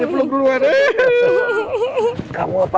pasiennya udah belum keluar